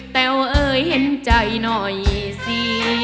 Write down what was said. แต่ว่าเอ่ยเห็นใจหน่อยสิ